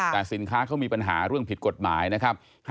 แต่สินค้าเขามีปัญหาเรื่องผิดกฎหมายนะครับ